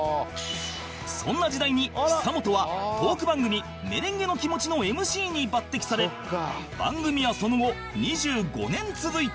そんな時代に久本はトーク番組『メレンゲの気持ち』の ＭＣ に抜擢され番組はその後２５年続いた